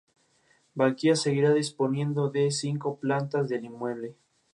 Además, por poder escribir este relato humanista de un situación inhumana.